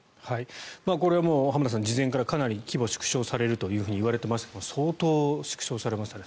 これはもう浜田さん事前からかなり規模が縮小されるといわれていましたが相当縮小されましたね。